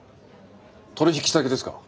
取引先ですか？